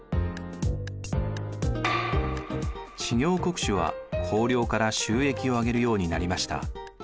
知行国主は公領から収益をあげるようになりました。